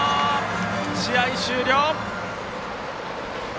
試合終了！